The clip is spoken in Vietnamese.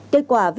kết quả viết ra là